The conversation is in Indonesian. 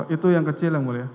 itu yang kecil yang mulia